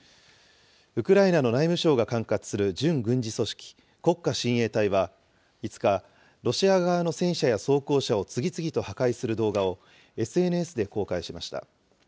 ウクライナの内務省が管轄する準軍事組織、国家親衛隊は５日、ロシア側の戦車や装甲車をつぎつぎとはかいするどうがをＳＮＳで公開しました。